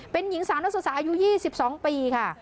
เป็นหญิงสาวนักศึกษาอายุ๒๒ปีค่ะ